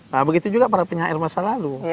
nah begitu juga para penyair masa lalu